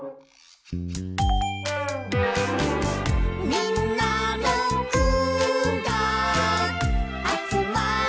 「みんなのぐがあつまれば」